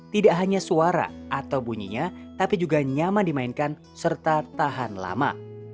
tidak hanya suara atau bunyinya tapi juga nyaman dimainkan serta tahan lama